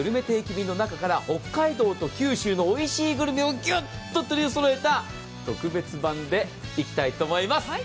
定期便の中から北海道と九州のおいしいグルメをギュッと取りそろえた特別版でいきたいと思います。